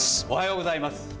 おはようございます。